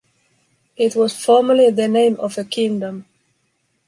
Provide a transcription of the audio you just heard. It was formerly the name of a kingdom.